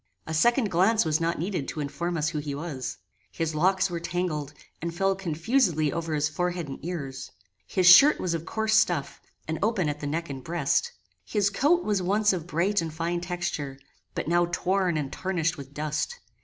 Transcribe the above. A second glance was not needed to inform us who he was. His locks were tangled, and fell confusedly over his forehead and ears. His shirt was of coarse stuff, and open at the neck and breast. His coat was once of bright and fine texture, but now torn and tarnished with dust.